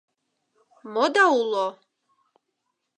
Мода уло?